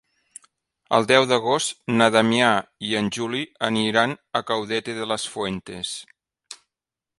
El deu d'agost na Damià i en Juli aniran a Caudete de las Fuentes.